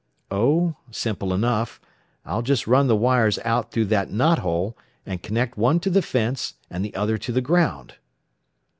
"Oh, simple enough. I'll just run the wires out through that knot hole, and connect one to the fence and the other to the ground."